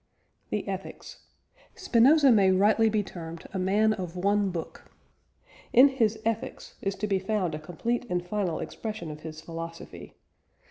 THE "ETHICS." Spinoza may rightly be termed a man of one book. In his Ethics is to be found a complete and final expression of his philosophy.